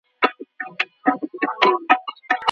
اورېدل په هر ځای کي تر لیکلو ممکن دي.